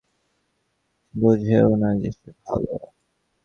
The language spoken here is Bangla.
আর জায়গা-টায়গা সে ব্যক্তি বোঝেও ভাল।